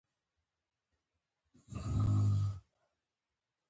دغه طبقې هڅه کوله خپلې بقا لپاره وکاروي.